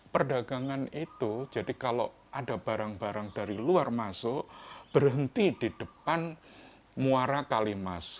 perdagangan itu jadi kalau ada barang barang dari luar masuk berhenti di depan muara kalimas